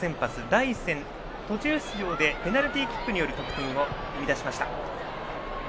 第１戦は途中出場でペナルティーキックによる得点を生み出しました。